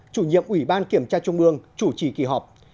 chủ nhiệm ủy ban kiểm tra trung ương chủ trì kỳ họp